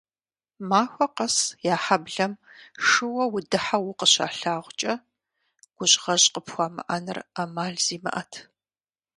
Махуэ къэс я хьэблэм шууэ удыхьэу укъыщалъагъукӀэ, гужьгъэжь къыпхуамыӀэныр Ӏэмал зимыӀэт.